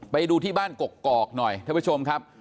ไปดูที่บ้านกกอกหน่อยท่านผู้ชมครับ